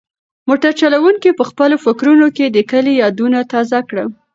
موټر چلونکي په خپلو فکرونو کې د کلي یادونه تازه کړل.